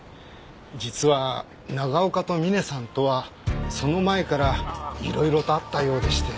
実は長岡とミネさんとはその前からいろいろとあったようでして。